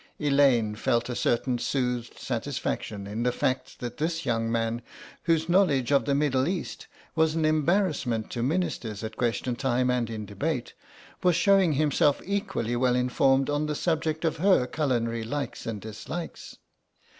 Elaine felt a certain soothed satisfaction in the fact that this young man, whose knowledge of the Middle East was an embarrassment to Ministers at question time and in debate, was showing himself equally well informed on the subject of her culinary likes and dislikes.